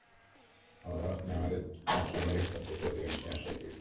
আবারও আপনি আমাদের ছয়-চার মেরে স্তব্ধ করে দেবেন, সেই আশাই করি।